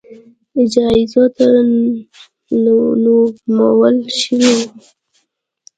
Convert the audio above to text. جایزو ته نومول شوي وو